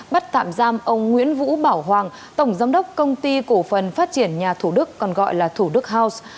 bắt tạm giam ông nguyễn vũ bảo hoàng tổng giám đốc công ty cổ phần phát triển nhà thủ đức còn gọi là thủ đức house